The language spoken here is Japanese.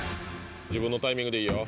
自分のタイミングでいいよ。